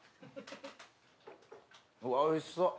うわおいしそう。